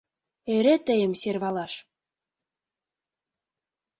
Эре тыйым сӧрвалаш.